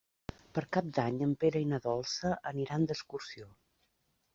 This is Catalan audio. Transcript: Per Cap d'Any en Pere i na Dolça aniran d'excursió.